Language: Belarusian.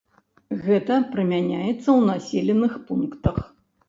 Гэта прымяняецца ў населеных пунктах.